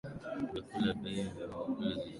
vyakula bei ya vyakula zilipanda hasahasa hapa